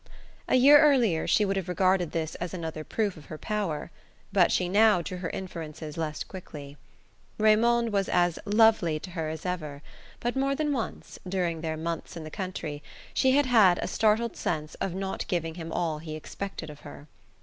A year earlier she would have regarded this as another proof of her power; but she now drew her inferences less quickly. Raymond was as "lovely" to her as ever; but more than once, during their months in the country, she had had a startled sense of not giving him all he expected of her.